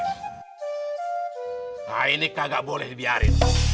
nah ini kagak boleh dibiarin